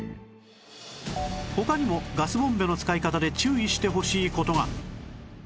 他にもガスボンベの使い方で注意してほしい事が